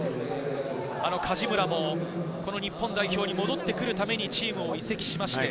梶村も日本代表に戻ってくるためにチームを移籍しました。